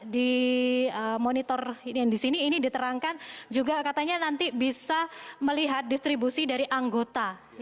di monitor yang di sini ini diterangkan juga katanya nanti bisa melihat distribusi dari anggota